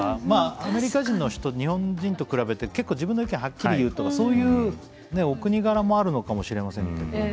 アメリカ人の人日本人と比べて結構自分の意見はっきり言うとかそういうお国柄もあるのかもしれませんけど。